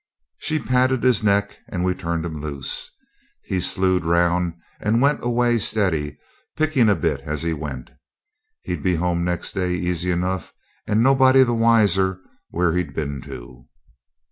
She patted his neck and we turned him loose. He slued round and went away steady, picking a bit as he went. He'd be home next day easy enough, and nobody the wiser where he'd been to.